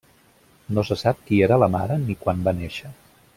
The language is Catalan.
No se sap qui era la mare ni quan va néixer.